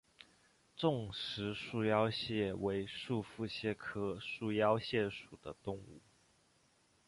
重石束腰蟹为束腹蟹科束腰蟹属的动物。